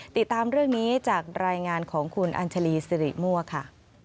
ติดตามเรื่องนี้จากรายงานของคุณอัญชาลีสิริมั่วค่ะ